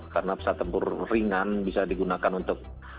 karena pesawat tempur ringan bisa digunakan untuk